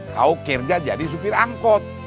kau kerja jadi supir angkot